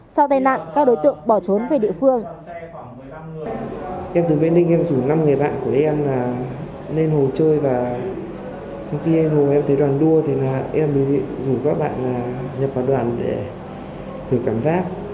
sau tai nạn các đối tượng bỏ trốn về địa phương